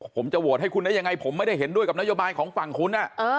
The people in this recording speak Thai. ผมจะโหวตให้คุณได้ยังไงผมไม่ได้เห็นด้วยกับนโยบายของฝั่งคุณ